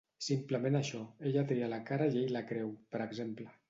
Simplement això: "ella tria la cara i ell la creu", per exemple.